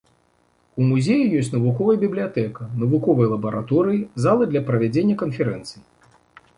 У музеі ёсць навуковая бібліятэка, навуковыя лабараторыі, залы для правядзення канферэнцый.